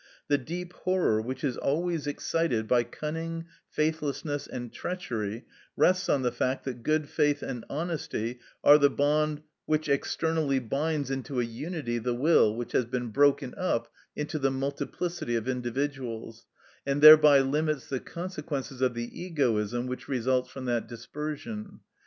The deep horror which is always excited by cunning, faithlessness, and treachery rests on the fact that good faith and honesty are the bond which externally binds into a unity the will which has been broken up into the multiplicity of individuals, and thereby limits the consequences of the egoism which results from that dispersion.